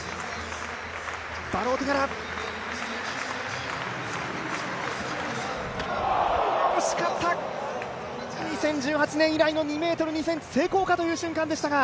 バローティガラ惜しかった、２０１８年以来の２ｍ２ｃｍ成功かという瞬間でしたが。